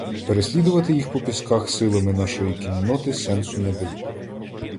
Переслідувати їх по пісках силами нашої кінноти сенсу не було.